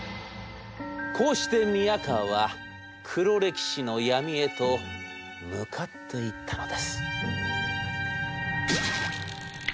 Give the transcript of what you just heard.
こうして宮河は黒歴史の闇へと向かっていったのです」。